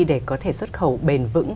để có thể xuất khẩu bền vững hơn